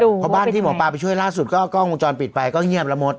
เพราะบ้านที่หมอปลาไปช่วยล่าสุดก็กล้องวงจรปิดไปก็เงียบแล้วมด